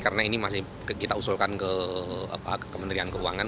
karena ini masih kita usulkan ke kementerian keuangan